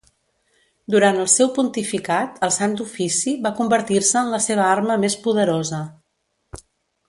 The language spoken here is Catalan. Durant el seu pontificat el Sant Ofici va convertir-se en la seva arma més poderosa.